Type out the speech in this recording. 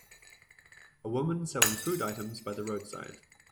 A woman selling food items by the roadside